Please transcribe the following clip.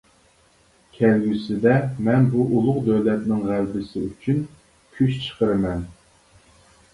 كەلگۈسىدە مەن بۇ ئۇلۇغ دۆلەتنىڭ غەلىبىسى ئۈچۈن كۈچ چىقىرىمەن.